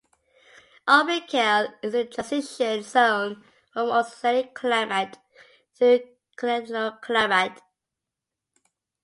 Oberkail is in the transition zone from oceanic climate to continental climate.